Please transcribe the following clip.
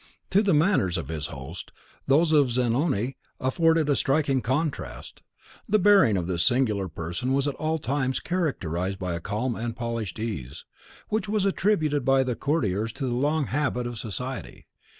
To the manners of his host, those of Zanoni afforded a striking contrast. The bearing of this singular person was at all times characterised by a calm and polished ease, which was attributed by the courtiers to the long habit of society.